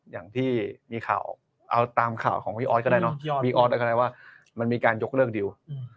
อย่างที่มีข่าวออกเอาตามข่าวของพี่ออสก็ได้เนอะพี่ออสอะไรก็ได้ว่ามันมีการยกเลิกดิว